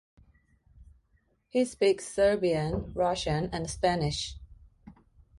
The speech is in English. He speaks Serbian, Russian, and Spanish.